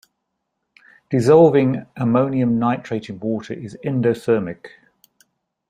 Dissolving ammonium nitrate in water is endothermic.